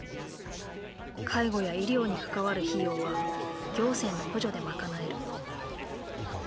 介護や医療に関わる費用は行政の補助で賄える。